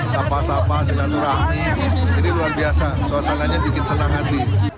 sapa sapa silaturahmi ini luar biasa suasananya bikin senang hati